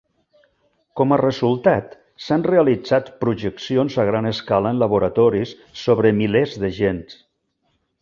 Com a resultat, s'han realitzat projeccions a gran escala en laboratoris sobre milers de gens.